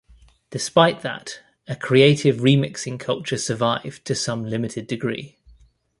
Despite that, a creative remixing culture survived to some limited degree.